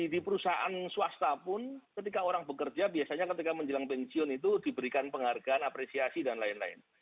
di perusahaan swasta pun ketika orang bekerja biasanya ketika menjelang pensiun itu diberikan penghargaan apresiasi dan lain lain